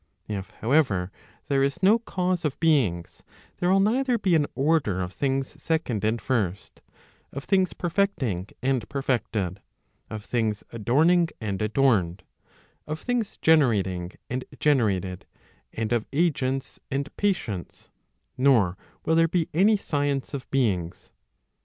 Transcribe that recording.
If, however, there is no cause of beings, there will neither be an order of things second and first, of things perfecting and perfected, of things adorning and adorned, of things generating and generated, and of agents and patients, nor will there be any science of beings.